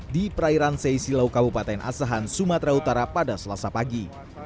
di perairan seisilau kabupaten asahan sumatera utara pada selasa pagi